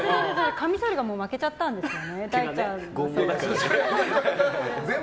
かみそりが負けちゃったんですよね。